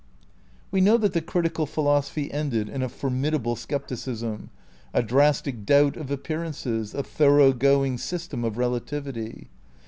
We know that the Critical Philosophy ended in a formidable scepticism, a drastic doubt of appearances, a thoroughgoing system of relativity.